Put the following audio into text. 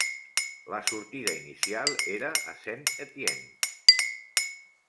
La sortida inicial era a Saint-Étienne.